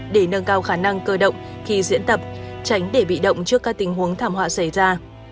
để nâng cao khả năng cơ động khi diễn tập tránh để bị động trước các tình huống thảm họa xảy ra